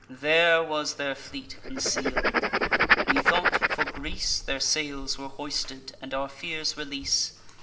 There was their fleet conceal'd. We thought, for Greece Their sails were hoisted, and our fears release.